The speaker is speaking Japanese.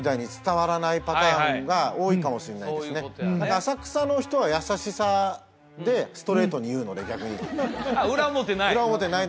浅草の人は優しさでストレートに言うので逆にあっ裏表ない？